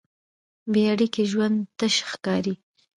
بېاړیکې ژوند تش ښکاري.